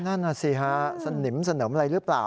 นั่นน่ะสิฮะสนิมสนิมอะไรหรือเปล่า